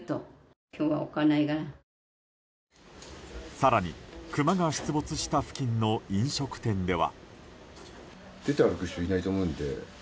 更に、クマが出没した付近の飲食店では。